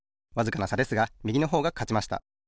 わずかなさですがみぎのほうがかちました。